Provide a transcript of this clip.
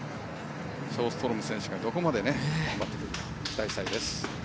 ショーストロム選手がどこまでくるか期待したいです。